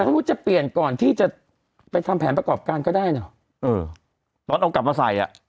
สมมุติจะเปลี่ยนก่อนที่จะไปทำแผนประกอบการก็ได้เนอะเออตอนเอากลับมาใส่อ่ะ